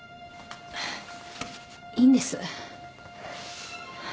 いいんです。